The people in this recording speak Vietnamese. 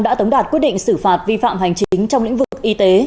đã tống đạt quyết định xử phạt vi phạm hành chính trong lĩnh vực y tế